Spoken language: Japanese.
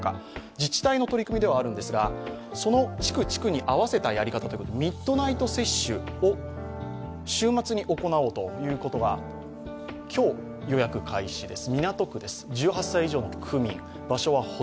自治体の取り組みではあるんですがその地区に合わせたやり方として、ミッドナイト接種を週末に行おうということが、今日予約開始です。